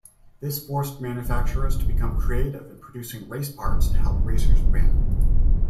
This forced manufacturers to become creative in producing race parts to help racers win.